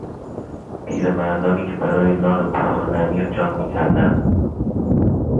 پیرمردانی که برای یک نان بخور و نمیر جان میکندند